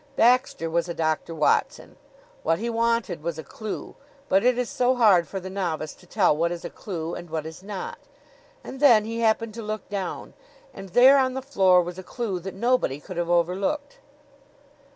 Baxter was a Doctor Watson. What he wanted was a clew; but it is so hard for the novice to tell what is a clew and what is not. And then he happened to look down and there on the floor was a clew that nobody could have overlooked.